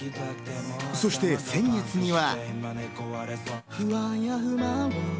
そして先月には。